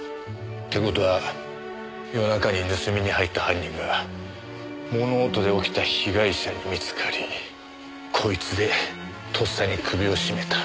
って事は夜中に盗みに入った犯人が物音で起きた被害者に見つかりこいつでとっさに首を絞めた。